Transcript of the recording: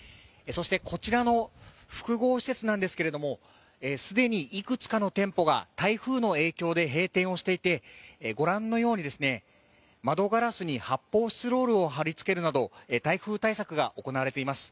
そして、こちらの複合施設なんですけれども、既に幾つかの店舗が台風の影響で閉店していてご覧のように窓ガラスに発泡スチロールを貼り付けるなど、台風対策が行われています。